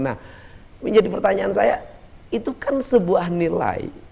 nah menjadi pertanyaan saya itu kan sebuah nilai